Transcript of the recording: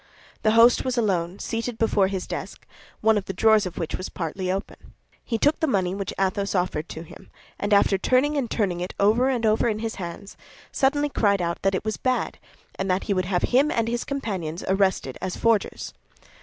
The host was alone, seated before his desk, one of the drawers of which was partly open. He took the money which Athos offered to him, and after turning and turning it over and over in his hands, suddenly cried out that it was bad, and that he would have him and his companions arrested as forgers.